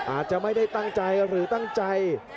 อาจจะไม่ได้ตั้งใจหรือตั้งใจ